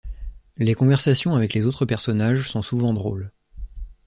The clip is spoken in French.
Les conversations avec les autres personnages sont souvent drôles.